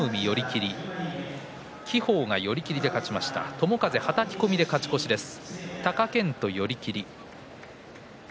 友風がはたき込みで勝ち越しです。